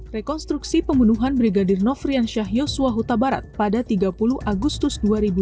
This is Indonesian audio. rekonstruksi pembunuhan brigadir nofrian syahyos wahuta barat pada tiga puluh agustus dua ribu dua puluh dua